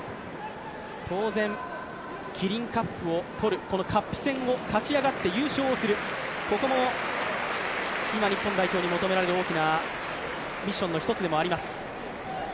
当然、キリンカップを取るカップ戦を勝ち上がって優勝する、ここも今、日本代表に求めら得る大きなミッションの１つでもあります。